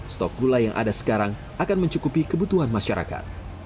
stok gula yang ada sekarang akan mencukupi kebutuhan masyarakat